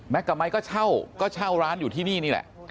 แม็กกับไมค์ก็เช่าร้านอยู่ที่นี่แหละ